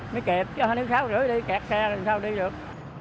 mới kịp chứ hai sáu h ba mươi đi kẹt xe thì sao đi được